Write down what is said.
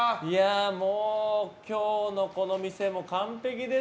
もう今日のこの店も完璧です